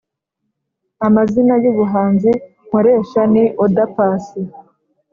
amazina y’ubuhanzi nkoresha ni oda paccy